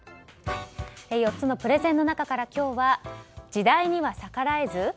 ４つのプレゼンの中から今日は時代には逆らえず？